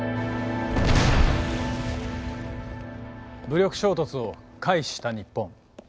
武力衝突を回避した日本。